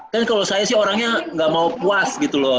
kan kalau saya sih orangnya nggak mau puas gitu loh